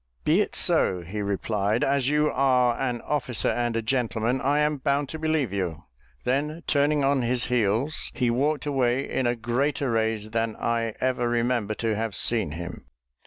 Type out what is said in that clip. "Be it so," he replied; "as you are an officer and a gentleman, I am bound to believe you." Then turning on his heels, he walked away in a greater rage than I ever remember to have seen him.